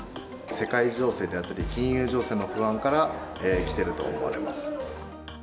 世界情勢であったり、金融情勢の不安からきてると思われます。